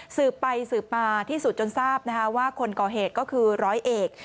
สืบไปสืบมาที่สุดจนทราบนะคะว่าคนก่อเหตุก็คือร้อยเอก